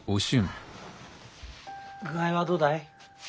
具合はどうだい？